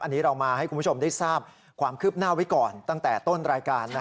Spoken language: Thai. อันนี้เรามาให้คุณผู้ชมได้ทราบความคืบหน้าไว้ก่อนตั้งแต่ต้นรายการ